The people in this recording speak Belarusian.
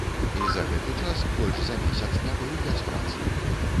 І за гэты час больш за месяц не быў без працы.